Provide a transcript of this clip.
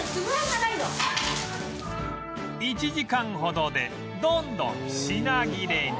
１時間ほどでどんどん品切れに